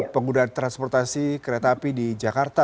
penggunaan transportasi kereta api di jakarta